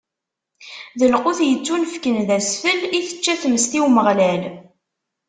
D lqut yettunefken d asfel i tečča tmes, i Umeɣlal.